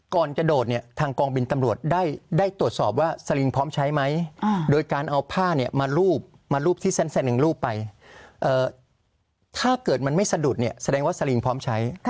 ก่อนจะโดดเนี่ยทางกองบินตำรวจได้ตรวจสอบว่าสลิงพร้อมใช้ไหมโดยการเอาผ้าเนี่ยมารูปมารูปที่แสนนึงรูปไปถ้าเกิดมันไม่สะดุดเนี่ยแสดงว่าสลิงพร้อมใช้